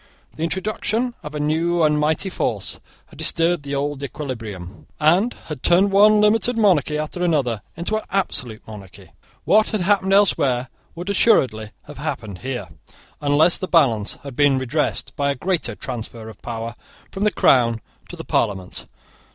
The introduction of a new and mighty force had disturbed the old equilibrium, and had turned one limited monarchy after another into an absolute monarchy. What had happened elsewhere would assuredly have happened here, unless the balance had been redressed by a great transfer of power from the crown to the parliament.